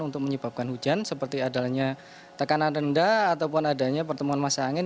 untuk menyebabkan hujan seperti adanya tekanan rendah ataupun adanya pertemuan masa angin